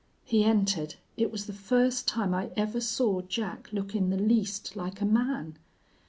He entered. It was the first time I ever saw Jack look in the least like a man.